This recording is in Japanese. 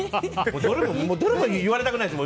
どれも言われたくないですもん。